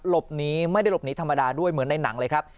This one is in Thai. หลบหนีไม่ได้หลบหนีธรรมดาด้วยเหมือนในหนังเลยครับ